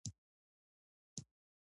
کرنه له خطر سره مخ ده.